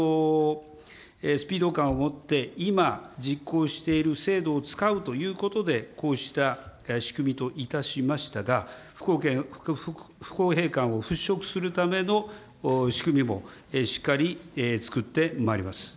スピード感を持って今、実行している制度を使うということで、こうした仕組みといたしましたが、不公平感を払拭するための仕組みもしっかりつくってまいります。